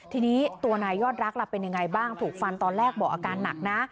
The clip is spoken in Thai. ทีนี้ตัวนายยอดรักล่ะเป็นยังไงบ้างถูกฟันตอนแรกบอกอาการหนักนะ